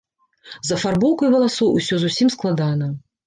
З афарбоўкай валасоў усё зусім складана.